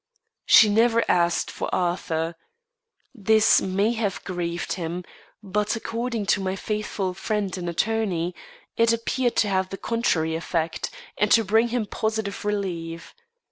She never asked for Arthur. This may have grieved him; but, according to my faithful friend and attorney, it appeared to have the contrary effect, and to bring him positive relief.